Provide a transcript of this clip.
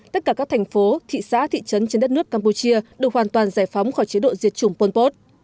tất cả các thành phố thị xã thị trấn trên đất nước campuchia được hoàn toàn giải phóng khỏi chế độ diệt chủng pol pot